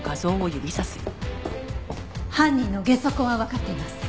犯人のゲソ痕はわかっています。